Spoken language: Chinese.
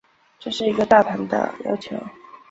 这是一个大胆的要求。